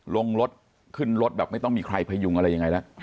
ลงรถขึ้นรถแบบไม่ต้องมีใครพยุงอะไรยังไงแล้ว